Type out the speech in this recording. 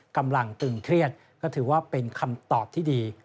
ตึงเครียดก็ถือว่าเป็นคำตอบที่ดี